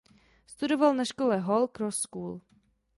Studoval na škole Hall Cross School.